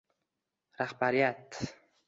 Rahbariyat